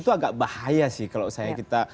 itu agak bahaya sih kalau saya kita